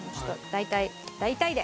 大体大体で。